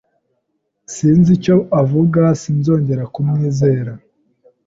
Sinzi icyo avuga. Sinzongera kumwizera.